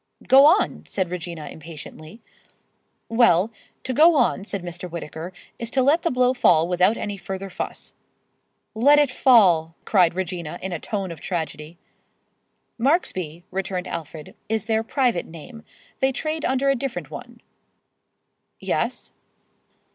"Go on," said Regina, impatiently. "Well, to go on," said Mr. Whittaker, "is to let the blow fall without any further fuss." "Let it fall!" cried Regina in a tone of tragedy. "Marksby," returned Alfred, "is their private name. They trade under a different one." "Yes?"